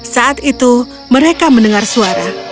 saat itu mereka mendengar suara